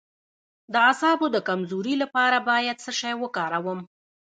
د اعصابو د کمزوری لپاره باید څه شی وکاروم؟